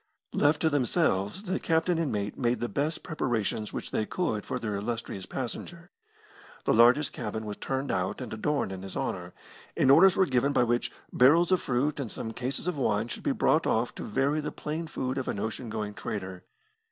Left to themselves, the captain and mate made the best preparations which they could for their illustrious passenger. The largest cabin was turned out and adorned in his honour, and orders were given by which barrels of fruit and some cases of wine should be brought off to vary the plain food of an ocean going trader.